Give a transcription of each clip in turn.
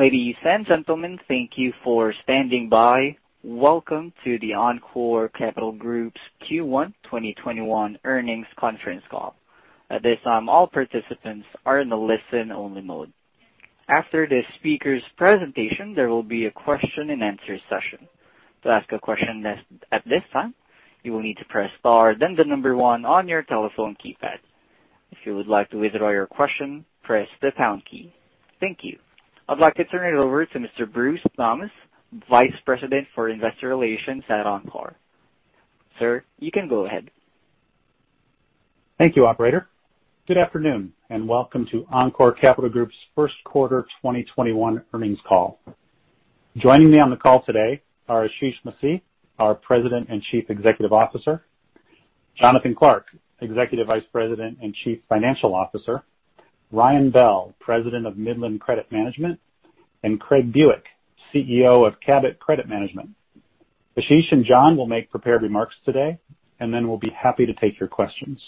Ladies and gentlemen, thank you for standing by. Welcome to the Encore Capital Group's Q1 2021 earnings conference call. At this time, all participants are in the listen-only mode. After the speakers' presentation, there will be a question and answer session. To ask a question at this time, you will need to press star, then the number one on your telephone keypad. If you would like to withdraw your question, press the pound key. Thank you. I'd like to turn it over to Mr. Bruce Thomas, Vice President for Investor Relations at Encore. Sir, you can go ahead. Thank you, operator. Good afternoon. Welcome to Encore Capital Group's first quarter 2021 earnings call. Joining me on the call today are Ashish Masih, our President and Chief Executive Officer; Jonathan Clark, Executive Vice President and Chief Financial Officer; Ryan Bell, President of Midland Credit Management; and Craig Buick, CEO of Cabot Credit Management. Ashish and Jon will make prepared remarks today. We'll be happy to take your questions.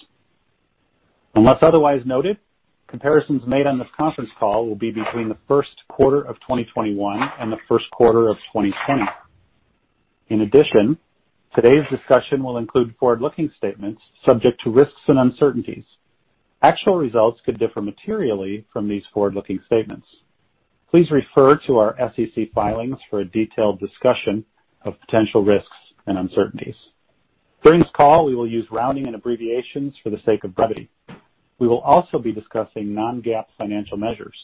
Unless otherwise noted, comparisons made on this conference call will be between the first quarter of 2021 and the first quarter of 2020. Today's discussion will include forward-looking statements subject to risks and uncertainties. Actual results could differ materially from these forward-looking statements. Please refer to our SEC filings for a detailed discussion of potential risks and uncertainties. During this call, we will use rounding and abbreviations for the sake of brevity. We will also be discussing non-GAAP financial measures.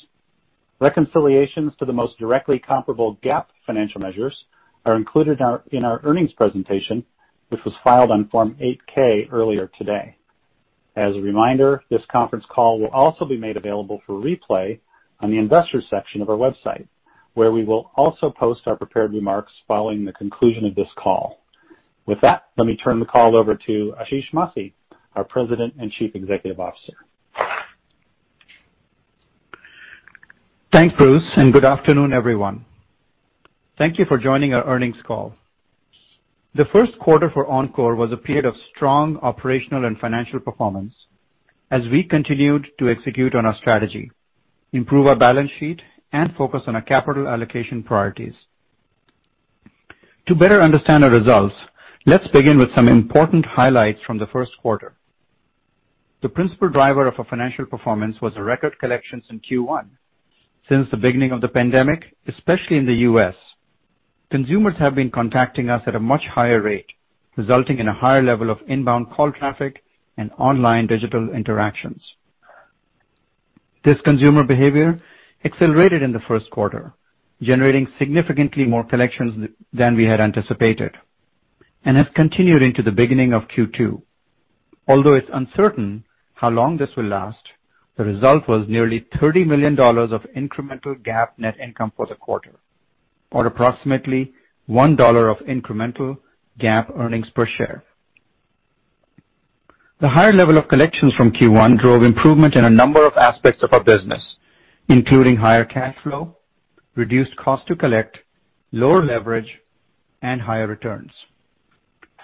Reconciliations to the most directly comparable GAAP financial measures are included in our earnings presentation, which was filed on Form 8-K earlier today. As a reminder, this conference call will also be made available for replay on the investors section of our website, where we will also post our prepared remarks following the conclusion of this call. With that, let me turn the call over to Ashish Masih, our President and Chief Executive Officer. Thanks, Bruce. Good afternoon, everyone. Thank you for joining our earnings call. The first quarter for Encore was a period of strong operational and financial performance as we continued to execute on our strategy, improve our balance sheet, and focus on our capital allocation priorities. To better understand our results, let's begin with some important highlights from the first quarter. The principal driver of our financial performance was the record collections in Q1. Since the beginning of the pandemic, especially in the U.S., consumers have been contacting us at a much higher rate, resulting in a higher level of inbound call traffic and online digital interactions. This consumer behavior accelerated in the first quarter, generating significantly more collections than we had anticipated and has continued into the beginning of Q2. Although it's uncertain how long this will last, the result was nearly $30 million of incremental GAAP net income for the quarter or approximately $1 of incremental GAAP earnings per share. The higher level of collections from Q1 drove improvement in a number of aspects of our business, including higher cash flow, reduced cost to collect, lower leverage, and higher returns.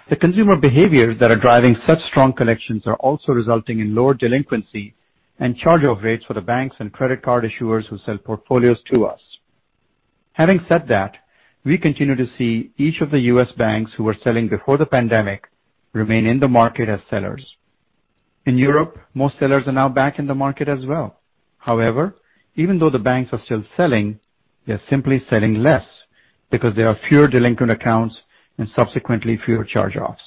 The consumer behaviors that are driving such strong collections are also resulting in lower delinquency and charge-off rates for the banks and credit card issuers who sell portfolios to us. Having said that, we continue to see each of the U.S. banks who were selling before the pandemic remain in the market as sellers. In Europe, most sellers are now back in the market as well. Even though the banks are still selling, they're simply selling less because there are fewer delinquent accounts and subsequently fewer charge-offs.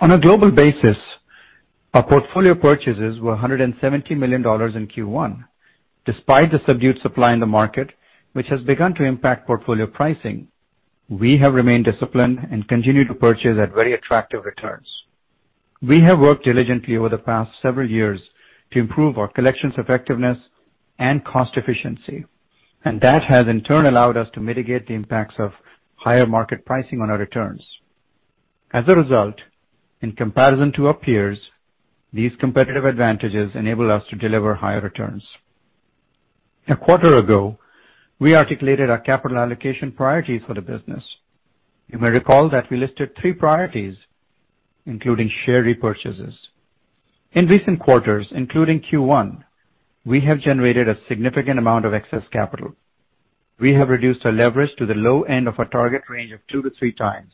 On a global basis, our portfolio purchases were $117 million in Q1. Despite the subdued supply in the market, which has begun to impact portfolio pricing, we have remained disciplined and continued to purchase at very attractive returns. We have worked diligently over the past several years to improve our collections effectiveness and cost efficiency, and that has in turn allowed us to mitigate the impacts of higher market pricing on our returns. As a result, in comparison to our peers, these competitive advantages enable us to deliver higher returns. A quarter ago, we articulated our capital allocation priorities for the business. You may recall that we listed three priorities, including share repurchases. In recent quarters, including Q1, we have generated a significant amount of excess capital. We have reduced our leverage to the low end of our target range of two to three times.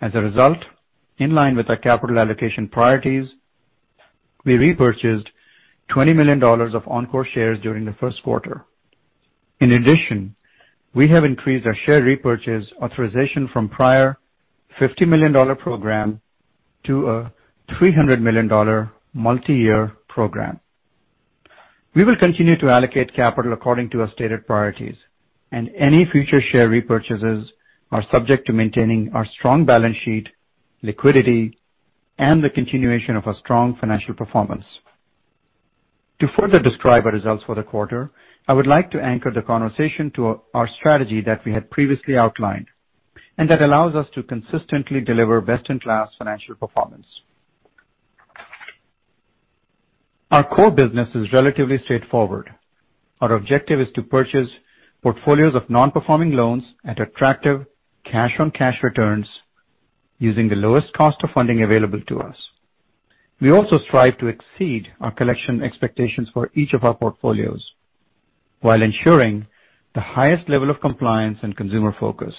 In line with our capital allocation priorities, we repurchased $20 million of Encore shares during the first quarter. We have increased our share repurchase authorization from prior $50 million program to a $300 million multi-year program. We will continue to allocate capital according to our stated priorities, and any future share repurchases are subject to maintaining our strong balance sheet, liquidity, and the continuation of our strong financial performance. To further describe our results for the quarter, I would like to anchor the conversation to our strategy that we had previously outlined and that allows us to consistently deliver best-in-class financial performance. Our core business is relatively straightforward. Our objective is to purchase portfolios of non-performing loans at attractive cash-on-cash returns using the lowest cost of funding available to us. We also strive to exceed our collections expectations for each of our portfolios while ensuring the highest level of compliance and consumer focus,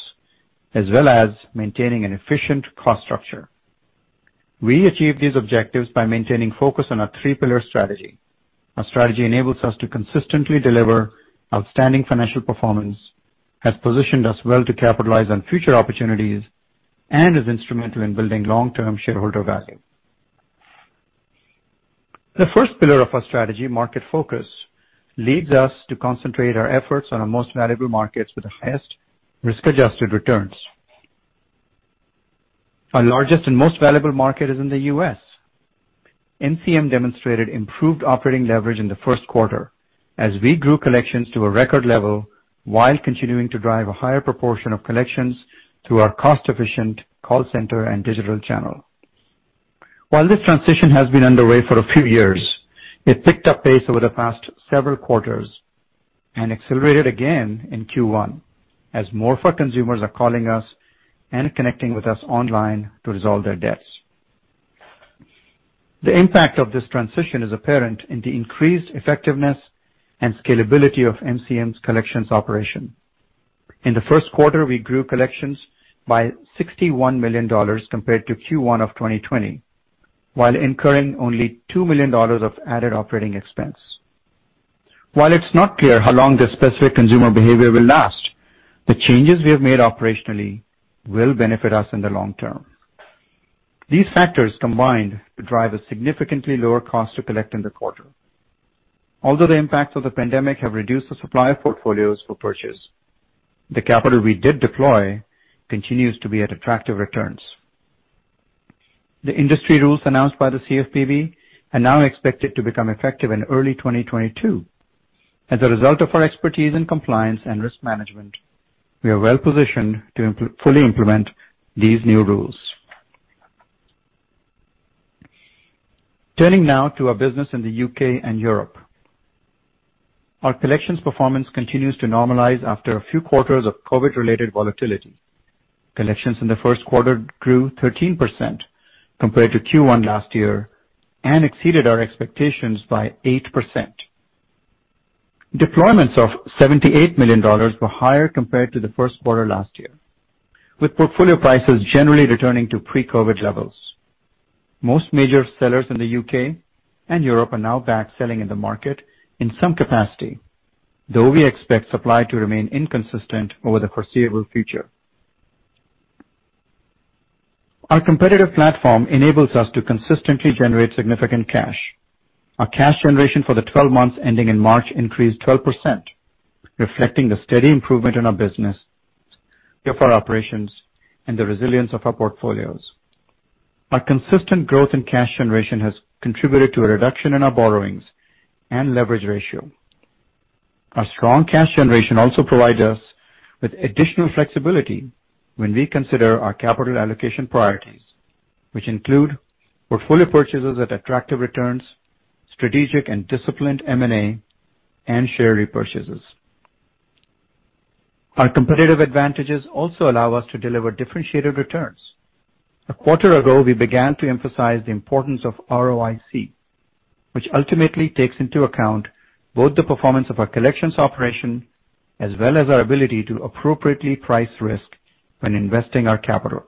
as well as maintaining an efficient cost structure. We achieve these objectives by maintaining focus on our three pillar strategy. Our strategy enables us to consistently deliver outstanding financial performance, has positioned us well to capitalize on future opportunities, and is instrumental in building long-term shareholder value. The first pillar of our strategy, market focus, leads us to concentrate our efforts on our most valuable markets with the highest risk-adjusted returns. Our largest and most valuable market is in the U.S. MCM demonstrated improved operating leverage in the first quarter as we grew collections to a record level while continuing to drive a higher proportion of collections through our cost-efficient call center and digital channel. While this transition has been underway for a few years, it picked up pace over the past several quarters and accelerated again in Q1 as more of our consumers are calling us and connecting with us online to resolve their debts. The impact of this transition is apparent in the increased effectiveness and scalability of MCM's collections operation. In the first quarter, we grew collections by $61 million compared to Q1 of 2020, while incurring only $2 million of added operating expense. While it's not clear how long this specific consumer behavior will last, the changes we have made operationally will benefit us in the long term. These factors combined to drive a significantly lower cost to collect in the quarter. Although the impacts of the pandemic have reduced the supply of portfolios for purchase, the capital we did deploy continues to be at attractive returns. The industry rules announced by the CFPB are now expected to become effective in early 2022. As a result of our expertise in compliance and risk management, we are well positioned to fully implement these new rules. Turning now to our business in the U.K. and Europe. Our collections performance continues to normalize after a few quarters of COVID-related volatility. Collections in the first quarter grew 13% compared to Q1 last year and exceeded our expectations by 8%. Deployments of $78 million were higher compared to the first quarter last year, with portfolio prices generally returning to pre-COVID levels. Most major sellers in the U.K. and Europe are now back selling in the market in some capacity, though we expect supply to remain inconsistent over the foreseeable future. Our competitive platform enables us to consistently generate significant cash. Our cash generation for the 12 months ending in March increased 12%, reflecting the steady improvement in our business, the operations, and the resilience of our portfolios. Our consistent growth in cash generation has contributed to a reduction in our borrowings and leverage ratio. Our strong cash generation also provides us with additional flexibility when we consider our capital allocation priorities, which include portfolio purchases at attractive returns, strategic and disciplined M&A, and share repurchases. Our competitive advantages also allow us to deliver differentiated returns. A quarter ago, we began to emphasize the importance of ROIC, which ultimately takes into account both the performance of our collections operation as well as our ability to appropriately price risk when investing our capital.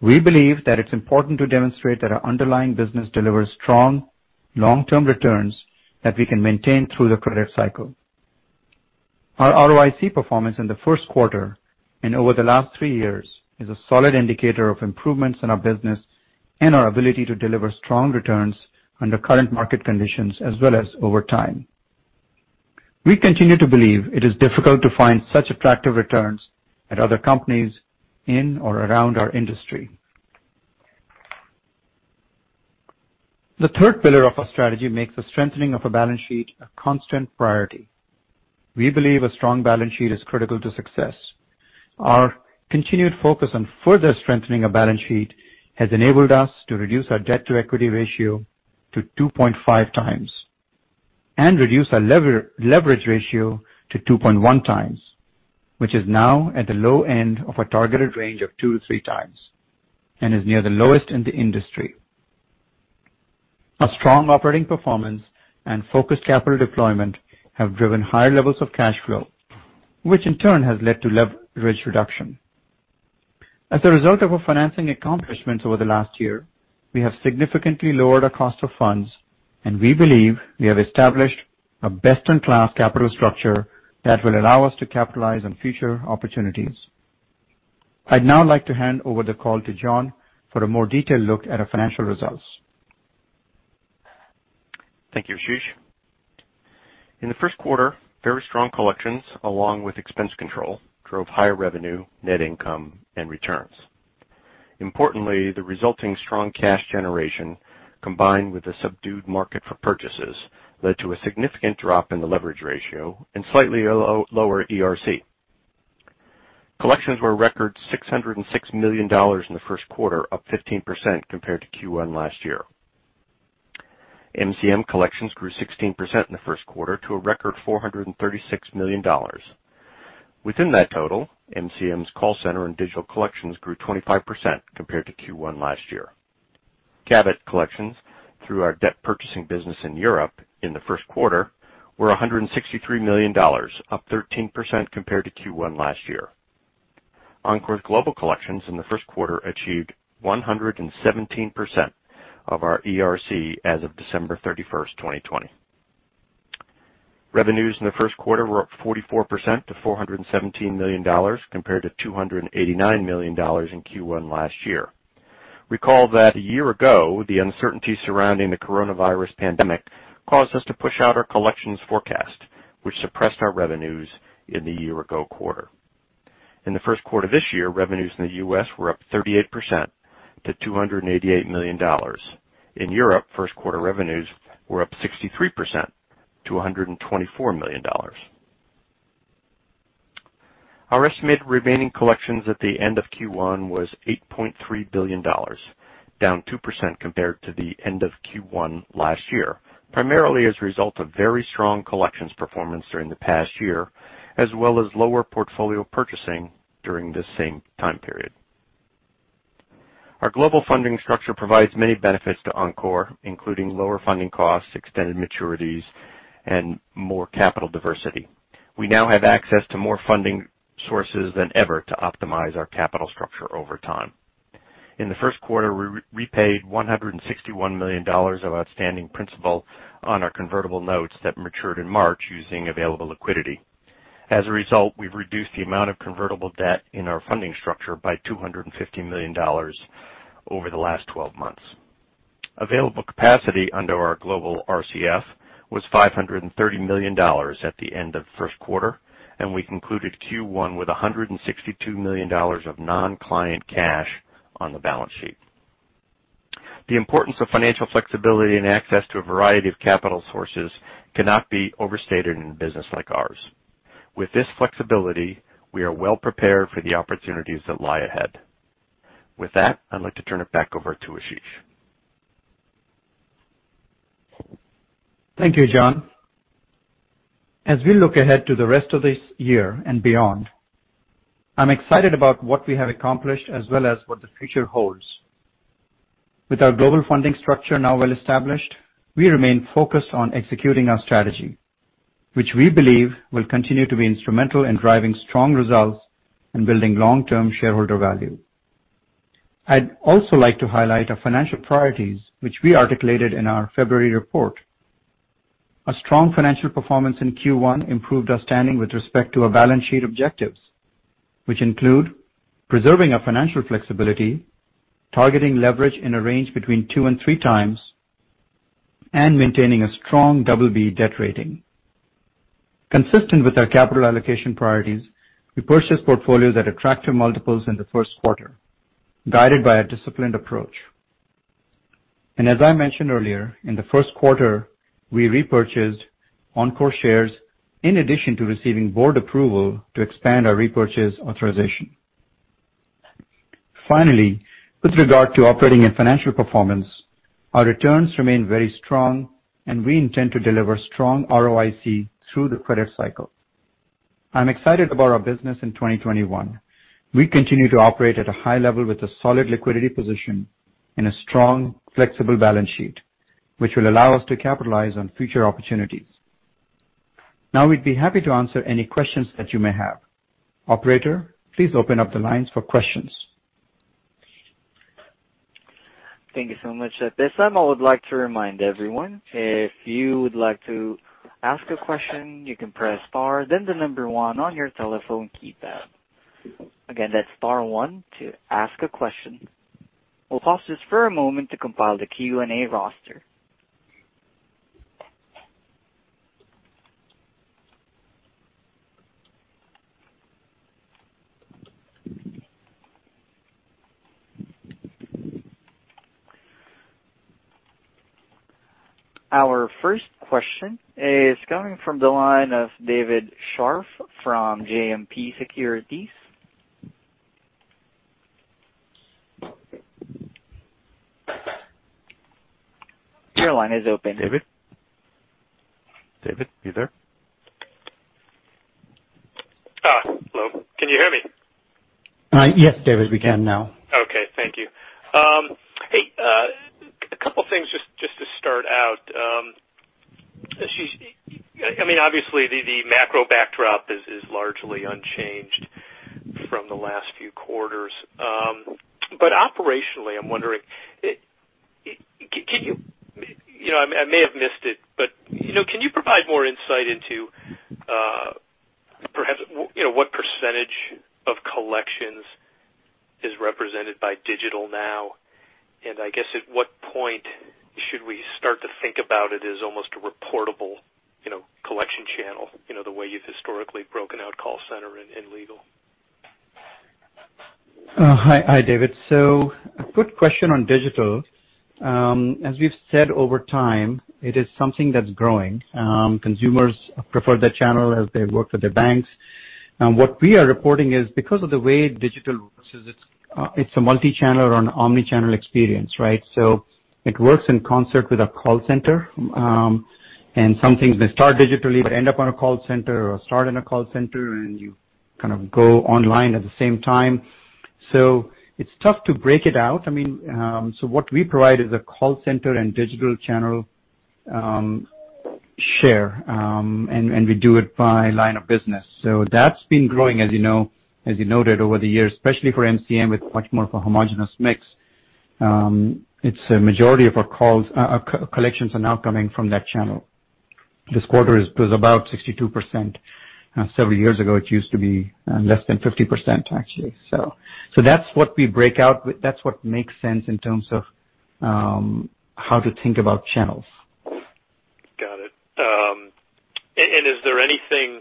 We believe that it's important to demonstrate that our underlying business delivers strong long-term returns that we can maintain through the credit cycle. Our ROIC performance in the first quarter and over the last three years is a solid indicator of improvements in our business and our ability to deliver strong returns under current market conditions as well as over time. We continue to believe it is difficult to find such attractive returns at other companies in or around our industry. The third pillar of our strategy makes the strengthening of a balance sheet a constant priority. We believe a strong balance sheet is critical to success. Our continued focus on further strengthening our balance sheet has enabled us to reduce our debt-to-equity ratio to 2.5 times and reduce our leverage ratio to 2.1 times, which is now at the low end of our targeted range of two to three times and is near the lowest in the industry. Our strong operating performance and focused capital deployment have driven higher levels of cash flow, which in turn has led to leverage reduction. As a result of our financing accomplishments over the last year, we have significantly lowered our cost of funds. We believe we have established a best-in-class capital structure that will allow us to capitalize on future opportunities. I'd now like to hand over the call to Jon for a more detailed look at our financial results. Thank you, Ashish. In the first quarter, very strong collections along with expense control drove higher revenue, net income, and returns. Importantly, the resulting strong cash generation, combined with the subdued market for purchases, led to a significant drop in the leverage ratio and slightly lower ERC. Collections were a record $606 million in the first quarter, up 15% compared to Q1 last year. MCM collections grew 16% in the first quarter to a record $436 million. Within that total, MCM's call center and digital collections grew 25% compared to Q1 last year. Cabot collections, through our debt purchasing business in Europe in the first quarter, were $163 million, up 13% compared to Q1 last year. Encore's global collections in the first quarter achieved 117% of our ERC as of December 31st, 2020. Revenues in the first quarter were up 44% to $417 million compared to $289 million in Q1 last year. Recall that a year ago, the uncertainty surrounding the coronavirus pandemic caused us to push out our collections forecast, which suppressed our revenues in the year-ago quarter. In the first quarter this year, revenues in the U.S. were up 38% to $288 million. In Europe, first quarter revenues were up 63% to $124 million. Our estimated remaining collections at the end of Q1 was $8.3 billion, down 2% compared to the end of Q1 last year, primarily as a result of very strong collections performance during the past year, as well as lower portfolio purchasing during the same time period. Our global funding structure provides many benefits to Encore, including lower funding costs, extended maturities, and more capital diversity. We now have access to more funding sources than ever to optimize our capital structure over time. In the first quarter, we repaid $161 million of outstanding principal on our convertible notes that matured in March using available liquidity. As a result, we've reduced the amount of convertible debt in our funding structure by $250 million over the last 12 months. Available capacity under our global RCF was $530 million at the end of the first quarter, and we concluded Q1 with $162 million of non-client cash on the balance sheet. The importance of financial flexibility and access to a variety of capital sources cannot be overstated in a business like ours. With this flexibility, we are well prepared for the opportunities that lie ahead. With that, I'd like to turn it back over to Ashish. Thank you, Jon. As we look ahead to the rest of this year and beyond, I'm excited about what we have accomplished as well as what the future holds. With our global funding structure now well established, we remain focused on executing our strategy, which we believe will continue to be instrumental in driving strong results and building long-term shareholder value. I'd also like to highlight our financial priorities, which we articulated in our February report. A strong financial performance in Q1 improved our standing with respect to our balance sheet objectives, which include preserving our financial flexibility, targeting leverage in a range between two and three times, and maintaining a strong BB debt rating. Consistent with our capital allocation priorities, we purchased portfolios at attractive multiples in the first quarter, guided by a disciplined approach. As I mentioned earlier, in the first quarter, we repurchased Encore shares in addition to receiving board approval to expand our repurchase authorization. Finally, with regard to operating and financial performance, our returns remain very strong, and we intend to deliver strong ROIC through the credit cycle. I'm excited about our business in 2021. We continue to operate at a high level with a solid liquidity position and a strong, flexible balance sheet, which will allow us to capitalize on future opportunities. We'd be happy to answer any questions that you may have. Operator, please open up the lines for questions. Thank you so much. At this time, I would like to remind everyone, if you would like to ask a question, you can press star then the number one on your telephone keypad. Again, that's star one to ask a question. We'll pause this for a moment to compile the Q&A roster. Our first question is coming from the line of David Scharf from JMP Securities. Your line is open. David? David, you there? Hello. Can you hear me? Yes, David, we can now. Okay. Thank you. Hey, two things just to start out. Ashish, obviously the macro backdrop is largely unchanged from the last few quarters. Operationally, I'm wondering. I may have missed it, can you provide more insight into perhaps what percentage of collections is represented by digital now? I guess at what point should we start to think about it as almost a reportable collection channel, the way you've historically broken out call center and legal? Hi, David. A good question on digital. As we've said over time, it is something that's growing. Consumers prefer that channel as they work with their banks. What we are reporting is because of the way digital works is it's a multi-channel or an omni-channel experience, right? It works in concert with our call center. Some things may start digitally, but end up on a call center or start in a call center, and you kind of go online at the same time. It's tough to break it out. What we provide is a call center and digital channel share, and we do it by line of business. That's been growing, as you noted, over the years, especially for MCM, with much more of a homogeneous mix. A majority of our collections are now coming from that channel. This quarter it was about 62%. Several years ago, it used to be less than 50%, actually. That's what we break out, that's what makes sense in terms of how to think about channels. Got it. Is there anything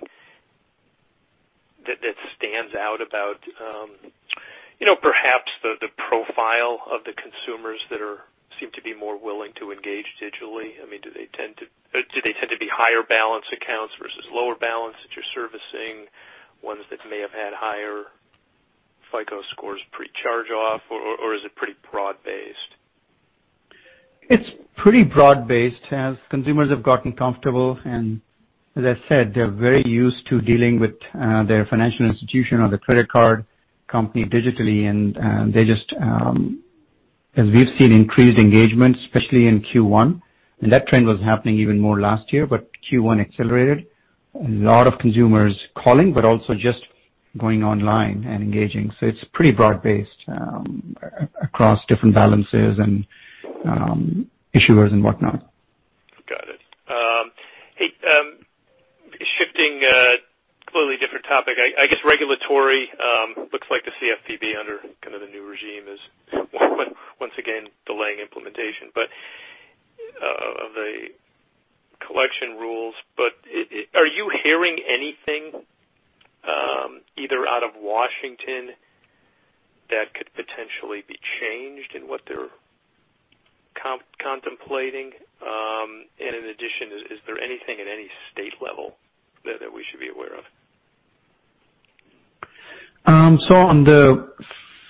that stands out about perhaps the profile of the consumers that seem to be more willing to engage digitally? Do they tend to be higher balance accounts versus lower balance that you're servicing, ones that may have had higher FICO scores pre-charge-off, or is it pretty broad-based? It's pretty broad-based. As consumers have gotten comfortable, and as I said, they're very used to dealing with their financial institution or the credit card company digitally, and as we've seen increased engagement, especially in Q1, and that trend was happening even more last year, but Q1 accelerated. A lot of consumers calling, but also just going online and engaging. It's pretty broad-based across different balances and issuers and whatnot. Got it. Hey, shifting, a completely different topic. I guess regulatory looks like the CFPB under kind of the new regime is once again delaying implementation of the collection rules. Are you hearing anything, either out of Washington that could potentially be changed in what they're contemplating? In addition, is there anything at any state level there that we should be aware of? On the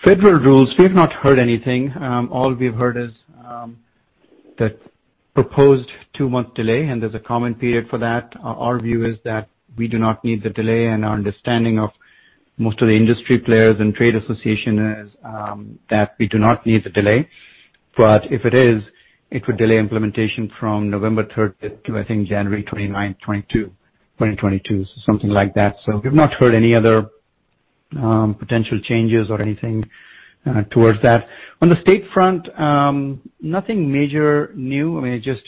federal rules, we've not heard anything. All we've heard is the proposed two-month delay, and there's a comment period for that. Our view is that we do not need the delay, and our understanding of most of the industry players and trade association is that we do not need the delay. If it is, it would delay implementation from November 3rd to, I think, January 29th, 2022, so something like that. We've not heard any other potential changes or anything towards that. On the state front, nothing major new. Just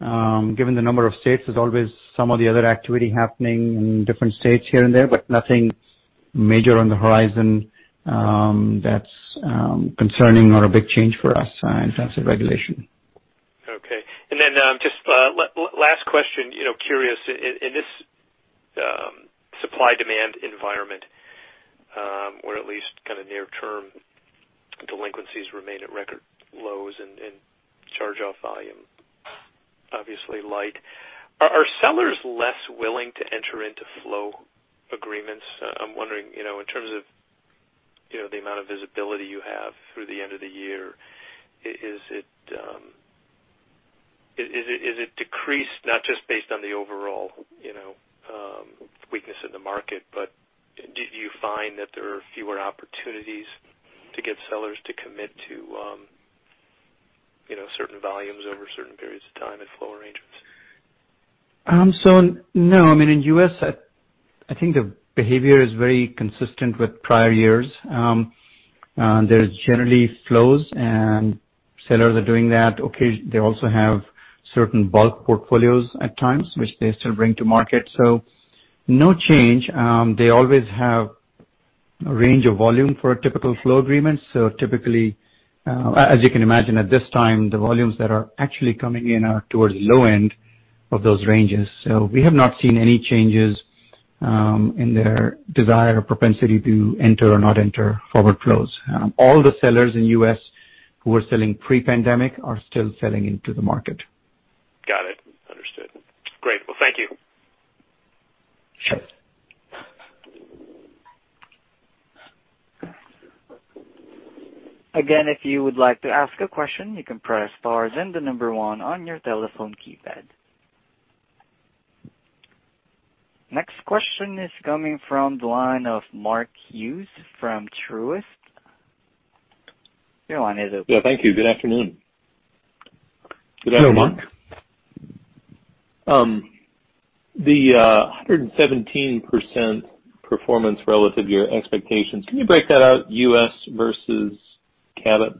given the number of states, there's always some of the other activity happening in different states here and there, but nothing major on the horizon that's concerning or a big change for us in terms of regulation. Okay. Just last question, curious. In this supply-demand environment, where at least kind of near term delinquencies remain at record lows and charge-off volume obviously light, are sellers less willing to enter into flow agreements? I'm wondering, in terms of the amount of visibility you have through the end of the year, is it decreased not just based on the overall weakness in the market, but did you find that there are fewer opportunities to get sellers to commit to certain volumes over certain periods of time and flow arrangements? No, in U.S., I think the behavior is very consistent with prior years. There's generally flows and sellers are doing that. Okay, they also have certain bulk portfolios at times, which they still bring to market. No change. They always have a range of volume for a typical flow agreement. Typically, as you can imagine, at this time, the volumes that are actually coming in are towards the low end of those ranges. We have not seen any changes in their desire or propensity to enter or not enter forward flows. All the sellers in U.S. who were selling pre-pandemic are still selling into the market. Got it. Understood. Great. Well, thank you. Sure. Again, if you would like to ask a question, you can press star then the number one on your telephone keypad. Next question is coming from the line of Mark Hughes from Truist. Your line is open. Yeah, thank you. Good afternoon. Good afternoon, Mark. The 117% performance relative to your expectations, can you break that out U.S. versus Canada?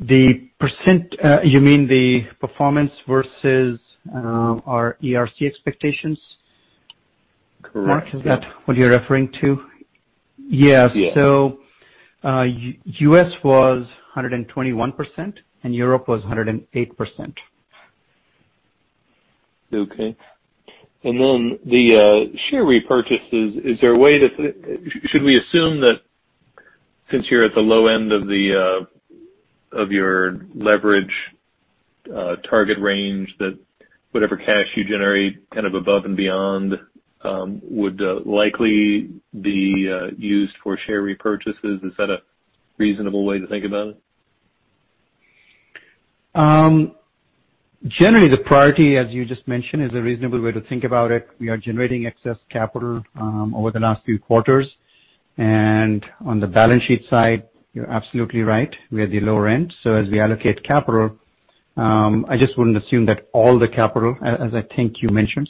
You mean the performance versus our ERC expectations? Correct. Mark, is that what you're referring to? Yes. U.S. was 121% and Europe was 108%. Okay. The share repurchases, should we assume that since you're at the low end of your leverage target range, that whatever cash you generate above and beyond would likely be used for share repurchases? Is that a reasonable way to think about it? Generally, the priority, as you just mentioned, is a reasonable way to think about it. We are generating excess capital over the last few quarters. On the balance sheet side, you're absolutely right, we're at the lower end. As we allocate capital, I just wouldn't assume that all the capital, as I think you mentioned.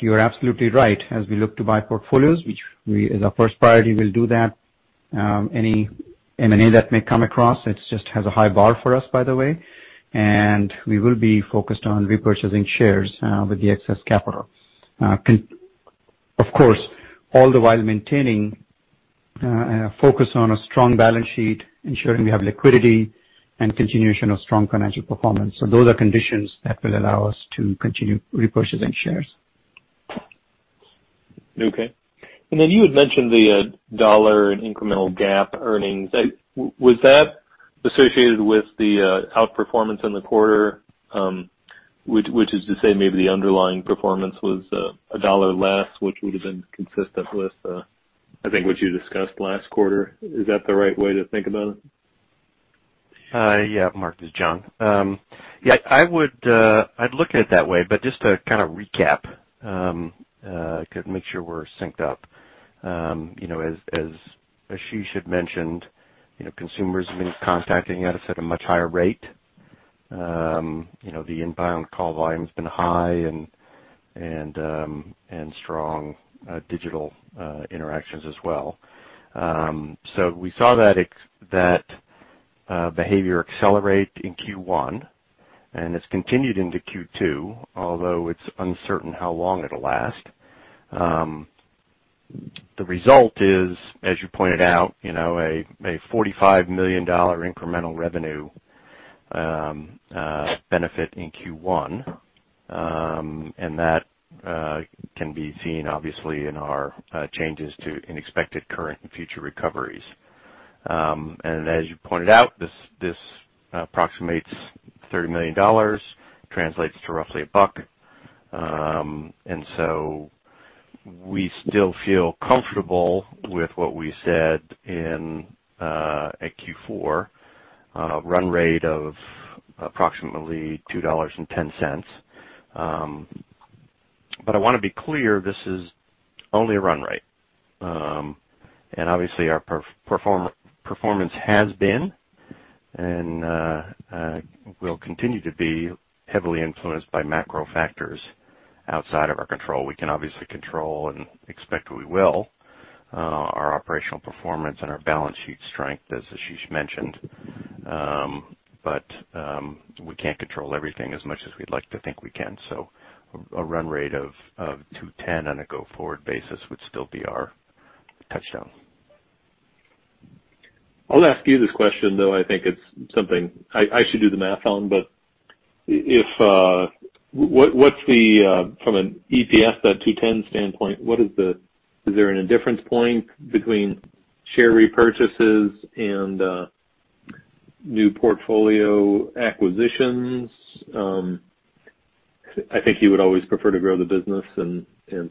You're absolutely right, as we look to buy portfolios, which is our first priority, we'll do that. Any M&A that may come across, it just has a high bar for us, by the way, and we will be focused on repurchasing shares with the excess capital. Of course, all the while maintaining a focus on a strong balance sheet, ensuring we have liquidity, and continuation of strong financial performance. Those are conditions that will allow us to continue repurchasing shares. Okay. Then you had mentioned $1 in incremental GAAP earnings. Was that associated with the outperformance in the quarter? Which is to say maybe the underlying performance was $1 less, which would have been consistent with, I think, what you discussed last quarter. Is that the right way to think about it? Mark, this is Jon. I'd look at it that way, but just to kind of recap, to make sure we're synced up. As Ashish had mentioned, consumers have been contacting us at a much higher rate. The inbound call volume has been high, and strong digital interactions as well. We saw that behavior accelerate in Q1, and it's continued into Q2, although it's uncertain how long it'll last. The result is, as you pointed out, a $45 million incremental revenue benefit in Q1. That can be seen obviously in our changes to unexpected current and future recoveries. As you pointed out, this approximates $30 million, translates to roughly $1. We still feel comfortable with what we said in Q4, run rate of approximately $2.10. I want to be clear, this is only a run rate. Obviously our performance has been and will continue to be heavily influenced by macro factors outside of our control. We can obviously control and expect we will our operational performance and our balance sheet strength, as Ashish mentioned. We can't control everything as much as we'd like to think we can. A run rate of $2.10 on a go-forward basis would still be our touchdown. I'll ask you this question, though I think it's something I should do the math on. From an EPS $2.10 standpoint is there an indifference point between share repurchases and new portfolio acquisitions? I think you would always prefer to grow the business, and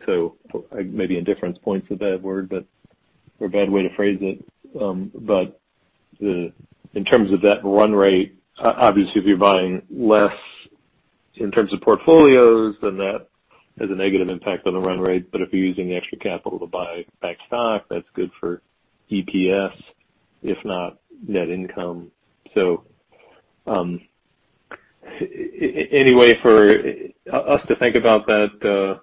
so maybe indifference point is a bad word or a bad way to phrase it. In terms of that run rate, obviously, if you're buying less in terms of portfolios, then that has a negative impact on the run rate. If you're using the extra capital to buy back stock, that's good for EPS, if not net income. Any way for us to think about that, the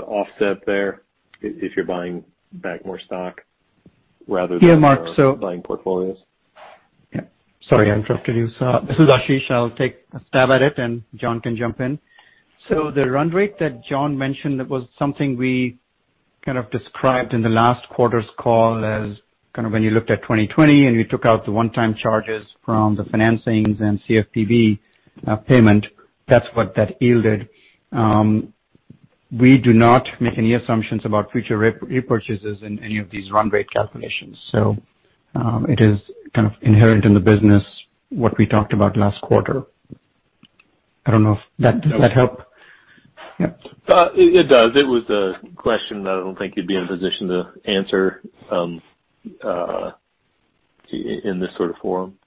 offset there if you're buying back more stock rather than? Yeah, Mark. Buying portfolios? Yeah. Sorry, I interrupted you. This is Ashish. I'll take a stab at it, and Jon can jump in. The run rate that Jon mentioned was something we kind of described in the last quarter's call as kind of when you looked at 2020 and you took out the one-time charges from the financings and CFPB payment, that's what that yielded. We do not make any assumptions about future repurchases in any of these run rate calculations. It is kind of inherent in the business what we talked about last quarter. I don't know if that helped. Yeah. It does. It was a question that I don't think you'd be in a position to answer in this sort of forum.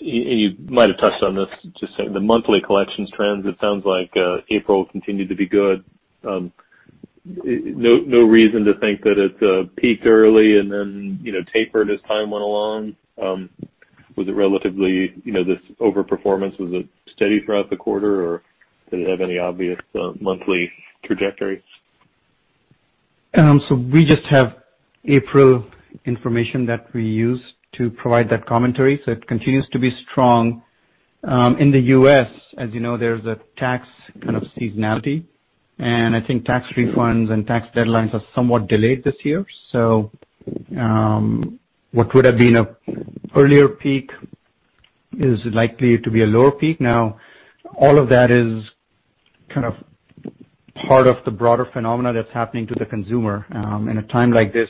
You might have touched on this, just the monthly collections trends, it sounds like April continued to be good. No reason to think that it peaked early and then tapered as time went along? This overperformance, was it steady throughout the quarter, or did it have any obvious monthly trajectory? We just have April information that we use to provide that commentary, so it continues to be strong. In the U.S., as you know, there's a tax kind of seasonality, and I think tax refunds and tax deadlines are somewhat delayed this year. What would have been an earlier peak is likely to be a lower peak. All of that is kind of part of the broader phenomena that's happening to the consumer. In a time like this,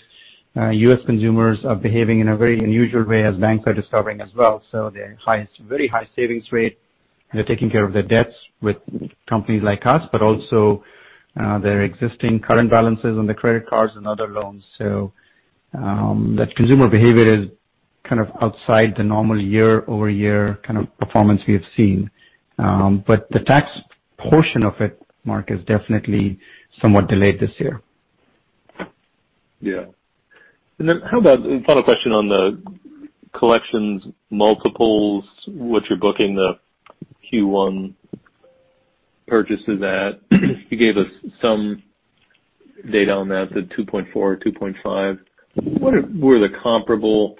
U.S. consumers are behaving in a very unusual way, as banks are discovering as well. They're highest, very high savings rate. They're taking care of their debts with companies like us, but also their existing current balances on the credit cards and other loans. That consumer behavior is kind of outside the normal year-over-year kind of performance we have seen. The tax portion of it, Mark, is definitely somewhat delayed this year. Yeah. How about, final question on the collections multiples, what you're booking the Q1 purchases at. You gave us some data on that, the 2.4, 2.5. What are the comparable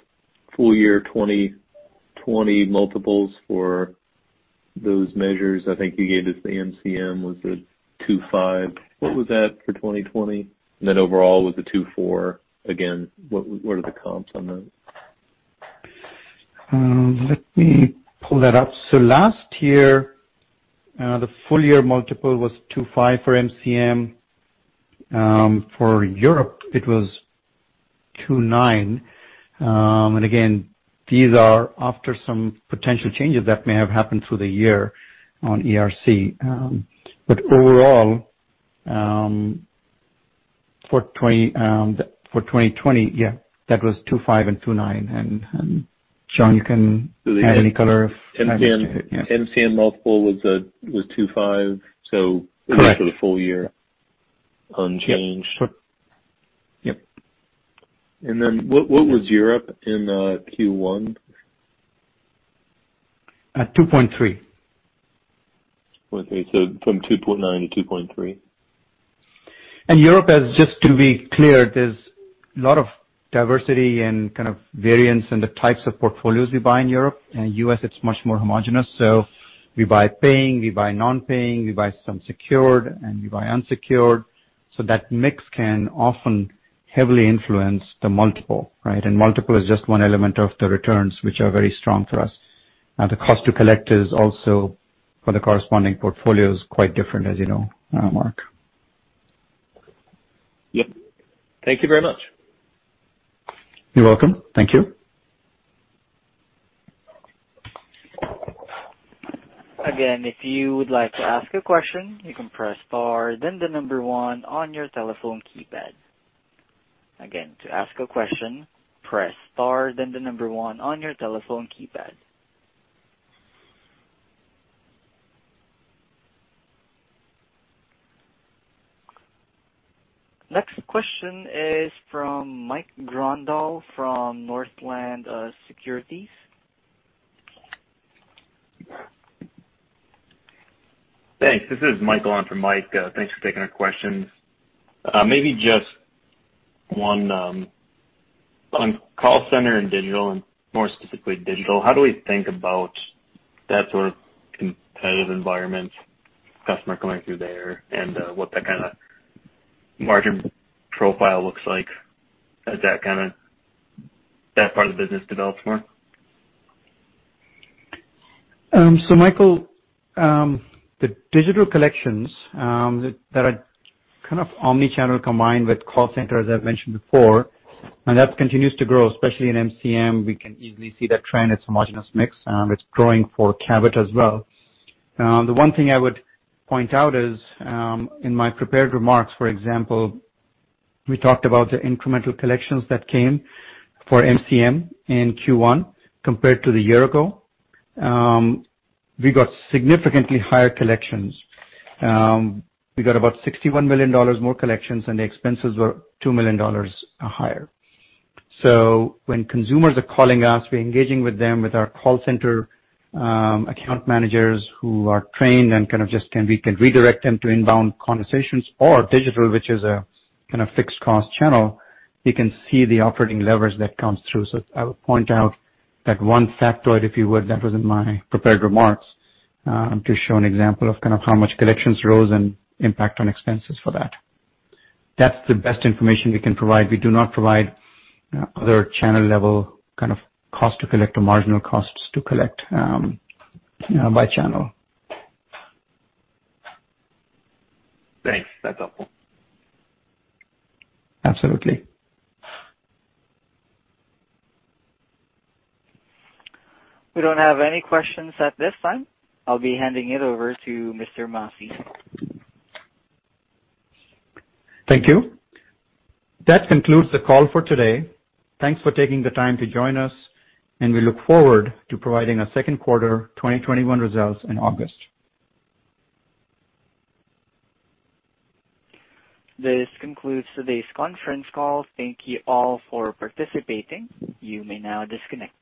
full year 2020 multiples for those measures? I think you gave us the MCM was at 2.5. What was that for 2020? Overall, with the 2.4, again, what are the comps on that? Let me pull that up. Last year, the full year multiple was 2.5 for MCM. For Europe, it was 2.9. Again, these are after some potential changes that may have happened through the year on ERC. Overall, for 2020, yeah, that was 2.5 and 2.9. Jon, you can add any color. MCM multiple was 2.5. Correct. For the full year, unchanged. Yep. What was Europe in Q1? 2.3. Okay. from 2.9-2.3. Europe has, just to be clear, there's a lot of diversity and kind of variance in the types of portfolios we buy in Europe. In U.S., it's much more homogeneous. We buy paying, we buy non-paying, we buy some secured, and we buy unsecured. That mix can often heavily influence the multiple, right? Multiple is just one element of the returns, which are very strong for us. The cost to collect is also for the corresponding portfolio is quite different, as you know, Mark. Yep. Thank you very much. You're welcome. Thank you. Again, if you would like to ask a question, you can press star, then the number one on your telephone keypad. Again, to ask a question, press star, then the number one on your telephone keypad. Next question is from Mike Grondahl from Northland Securities. Thanks. This is Michael on for Mike. Thanks for taking our questions. Maybe just on call center and digital, and more specifically digital, how do we think about that sort of competitive environment, customer coming through there and what that kind of margin profile looks like as that part of the business develops more? Michael, the digital collections that are kind of omni-channel combined with call center, as I've mentioned before, and that continues to grow, especially in MCM. We can easily see that trend. It's homogeneous mix. It's growing for Cabot as well. The one thing I would point out is, in my prepared remarks, for example, we talked about the incremental collections that came for MCM in Q1 compared to the year ago. We got significantly higher collections. We got about $61 million more collections, and the expenses were $2 million higher. When consumers are calling us, we're engaging with them with our call center account managers who are trained and kind of just can redirect them to inbound conversations or digital, which is a kind of fixed cost channel. You can see the operating leverage that comes through. I would point out that one factoid, if you would, that was in my prepared remarks, to show an example of kind of how much collections rose and impact on expenses for that. That's the best information we can provide. We do not provide other channel level kind of cost to collect or marginal costs to collect by channel. Thanks. That's helpful. Absolutely. We don't have any questions at this time. I'll be handing it over to Mr. Masih. Thank you. That concludes the call for today. Thanks for taking the time to join us, and we look forward to providing our second quarter 2021 results in August. This concludes today's conference call. Thank you all for participating. You may now disconnect.